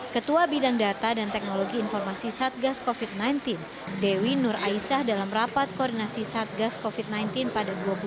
ketua bidang data dan teknologi informasi satgas covid sembilan belas dewi nur aisah dalam rapat koordinasi satgas covid sembilan belas pada dua puluh tiga mei dua ribu dua puluh satu menyebut